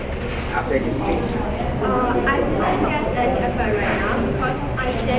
พวกมันจัดสินค้าที่๑๙นาที